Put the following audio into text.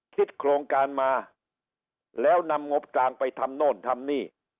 คิดโครงการมาแล้วนำงบกลางไปทำโน่นทำนี่